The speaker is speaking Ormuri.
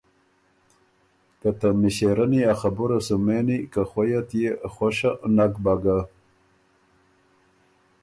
که ته مِݭېرَنّي ا خبُره سو مېني که خوَیه تيې خوَشه نک به ګۀ۔